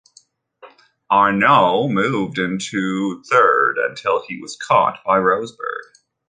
Arnoux moved into third until he was caught by Rosberg.